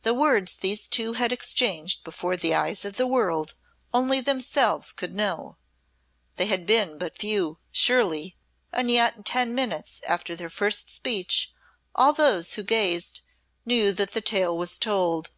The words these two had exchanged before the eyes of the world only themselves could know they had been but few, surely, and yet in ten minutes after their first speech all those who gazed knew that the tale was told.